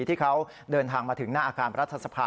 ที่เขาเดินทางมาถึงหน้าอาคารรัฐสภา